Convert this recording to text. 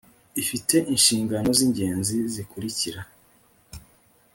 ifite inshingano z ingenzi zikurikira